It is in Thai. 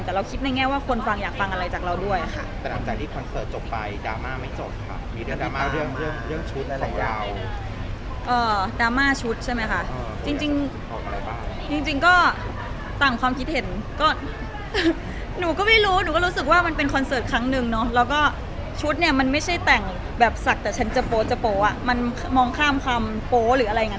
แต่เราคิดในแง่ว่าคนฟังอยากฟังอะไรจากเราด้วย